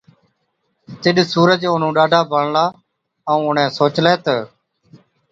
تِڏ سُورج اونهُون ڏاڍا بڻلا، ائُون اُڻهين سوچلَي تہ،